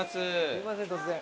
すいません突然。